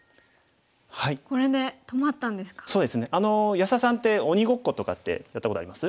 安田さんって鬼ごっことかってやったことあります？